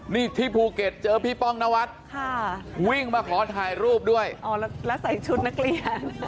นี่ที่ภูเก็ตเจอพี่ป้องนวัดวิ่งมาขอถ่ายรูปด้วยอ๋อแล้วใส่ชุดนักเรียน